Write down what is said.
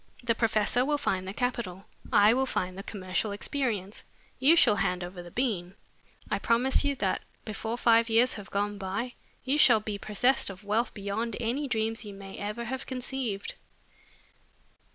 The professor will find the capital, I will find the commercial experience, you shall hand over the bean. I promise you that before five years have gone by, you shall be possessed of wealth beyond any dreams you may ever have conceived."